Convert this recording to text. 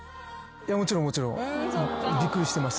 もちろんもちろん。びっくりしてました。